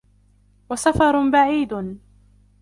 وَسَفَرٌ بَعِيدٌ